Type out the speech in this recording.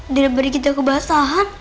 dia beri kita kebasahan